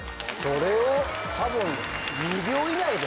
それを多分２秒以内で。